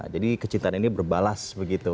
jadi kecintaan ini berbalas begitu